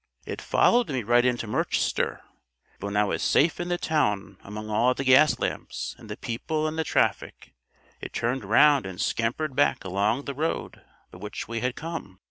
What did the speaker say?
"It followed me right into Merchester; but when I was safe in the town among all the gas lamps and the people and the traffic, it turned round and scampered back along the road by which we had come.